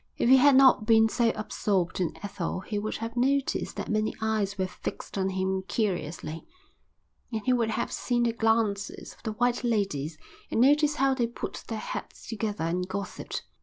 If he had not been so absorbed in Ethel he would have noticed that many eyes were fixed on him curiously, and he would have seen the glances of the white ladies and noticed how they put their heads together and gossiped.